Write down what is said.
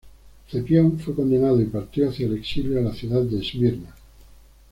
Cepión fue condenado y partió hacia el exilio a la ciudad de Esmirna.